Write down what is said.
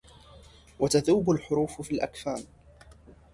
وتذوب الحروف في الأكفان